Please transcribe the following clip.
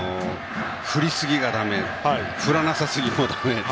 振りすぎもだめだし振らなさすぎもだめと。